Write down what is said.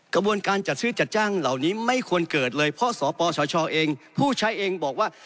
กระบวนการจัดซื้อจัดจ้างเหล่านี้ไม่ควรเกิดเลยเพราะสปสชเองผู้ใช้เองบอกว่า